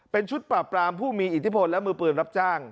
เป็นชุดปรับปรามผู้มีอิทธิพลและมือปืนรับจ้าง